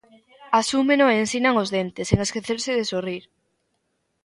Asúmeno e ensinan os dentes, sen esquecerse de sorrir.